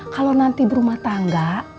kalau nanti berumah tangga